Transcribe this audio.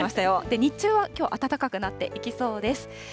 日中はきょう、暖かくなっていきそうです。